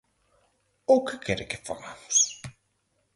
¿Ou que quere que fagamos?